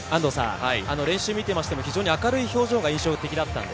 練習を見ていても明るい表情が印象的でした。